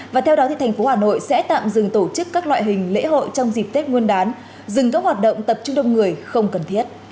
và theo đó thành phố hà nội sẽ tạm dừng tổ chức các loại hình lễ hội trong dịp tết nguyên đán dừng các hoạt động tập trung đông người không cần thiết